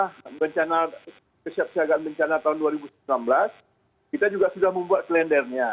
karena bencana kesiapsiagaan bencana tahun dua ribu sembilan belas kita juga sudah membuat klendernya